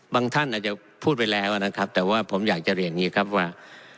ท่านอาจจะพูดไปแล้วนะครับแต่ว่าผมอยากจะเรียนอย่างนี้ครับว่า